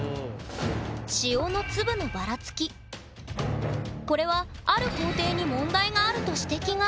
塩のこれはある工程に問題があると指摘が！